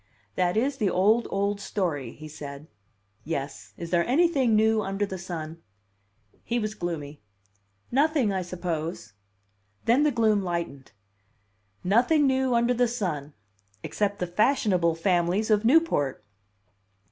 "That is the old, old story," he said. "Yes; is there anything new under the sun?" He was gloomy. "Nothing, I suppose." Then the gloom lightened. "Nothing new under the sun except the fashionable families of Newport!"